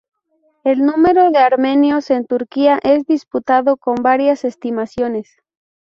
El número de armenios en Turquía es disputado con varias estimaciones.